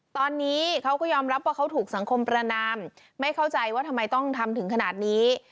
ตอนนี้เขาก็ยอมรับว่าเขาถูกสังคมประนามไม่เข้าใจว่าทำไมต้องทำถึงขนาดนี้